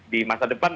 di masa depan